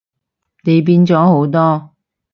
你變咗好多